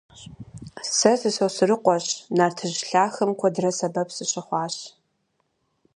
Сэ сы-Сосрыкъуэщ; нартыжь лъахэм куэдрэ сэбэп сыщыхъуащ.